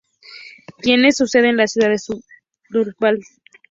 Tiene su sede en la ciudad de Sundsvall.